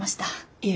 いえ。